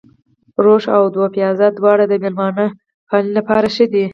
روش او دوپيازه دواړه د مېلمه پالنې لپاره ښه دي.